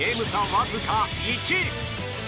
わずか１。